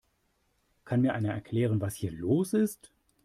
Kann mir einer erklären, was hier los ist?